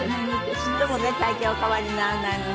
ちっともね体形お変わりにならないのね。